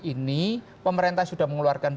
ini pemerintah sudah mengeluarkan